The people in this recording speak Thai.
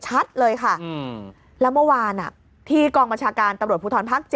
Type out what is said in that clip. ชัดเลยค่ะแล้วเมื่อวานที่กองบัญชาการตำรวจภูทรภาค๗